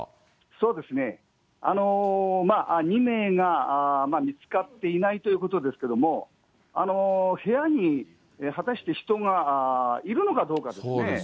そうですね、２名が見つかっていないということですけども、部屋に果たして人がいるのかどうかですね。